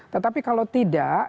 tetapi kalau tidak